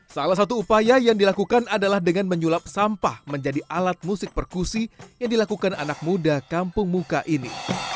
salah satu upaya yang dilakukan adalah dengan menyulap sampah menjadi alat musik perkusi yang dilakukan anak muda kampung muka ini